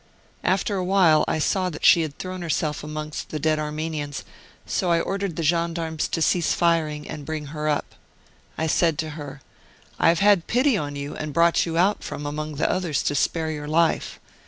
5 After a while, I saw that she had thrown herself amongst the dead Armenians, so I ordered the gen darmes to cease firing and bring her up. I said to her, ' I have had pity on you and brought you out from among the others to spare your life.